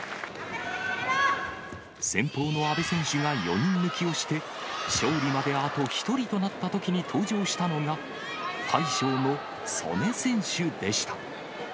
先鋒の阿部選手が４人抜きをして、勝利まであと１人となったときに登場したのが、大将の素根選手でした。